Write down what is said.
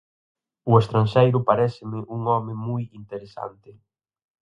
O estranxeiro paréceme un home moi interesante.